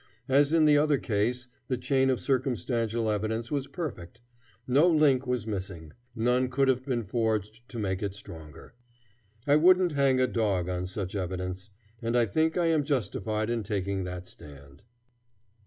As in the other case, the chain of circumstantial evidence was perfect. No link was missing. None could have been forged to make it stronger. I wouldn't hang a dog on such evidence. And I think I am justified in taking that stand.